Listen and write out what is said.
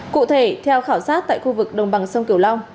cụ thể theo khảo sát tại khu vực đồng bằng sông kiều long